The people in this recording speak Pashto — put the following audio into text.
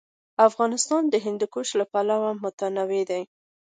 افغانستان د هندوکش له پلوه متنوع دی.